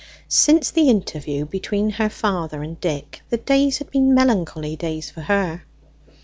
Since the interview between her father and Dick, the days had been melancholy days for her.